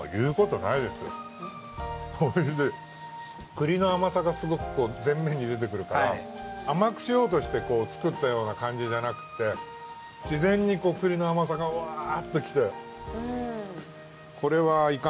栗の甘さがすごく前面に出てくるから甘くしようとして作ったような感じじゃなくてしぜんに栗の甘さがわぁっと来て。